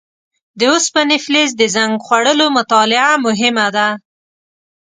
د اوسپنې فلز د زنګ خوړلو مطالعه مهمه ده.